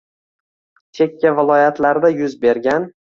chekka viloyatlarda yuz bergan